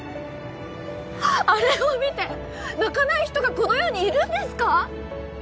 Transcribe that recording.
あれを見て泣かない人がこの世にいるんですか？